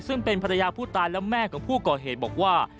ซึ่งเป็นภรรยาผู้ตายและแม่ของผู้ก่อเหตุบอกว่า